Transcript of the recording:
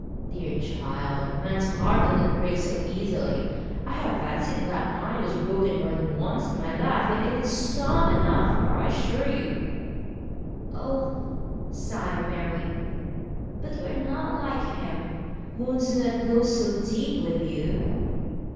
'Dear child, men's hearts do not break so easily. I have fancied that mine was broken more than once in my life, yet it is sound enough, I assure you.' 'Oh!' sighed Mary, 'but you are not like him; wounds do not go so deep with you.'